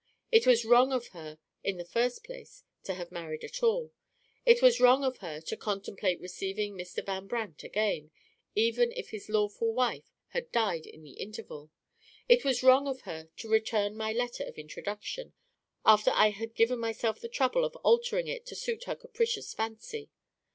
It was wrong of her, in the first place, to have married at all. It was wrong of her to contemplate receiving Mr. Van Brandt again, even if his lawful wife had died in the interval. It was wrong of her to return my letter of introduction, after I had given myself the trouble of altering it to suit her capricious fancy.